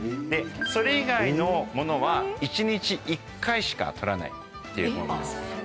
それ以外のものは１日１回しか取らないっていうものです。